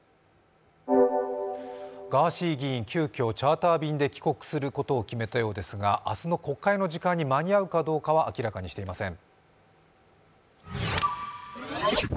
ガーシー議員、急きょチャーター機で帰国することを決めたようですが明日の国会の時間に間に合うかどうかは明らかにしていません。